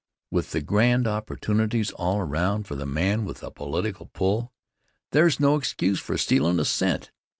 With the grand opportunities all around for the man with a political pull, there's no excuse for stealin' a cent.